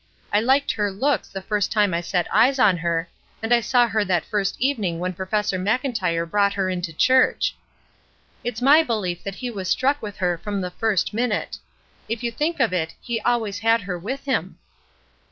I Uked her looks the first time I set eyes on her, and I saw her that first evening when Professor Mclntyre :i'tw^m ■''■■■■■ "SOMETHING PORTENTOUS" tfjg brought her into church. It's my belief that he was struck with her from the first minute. If you think of it, he always had her with him.